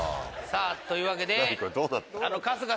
⁉というわけで。